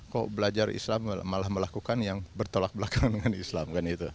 kok belajar islam malah melakukan yang bertolak belakang dengan islam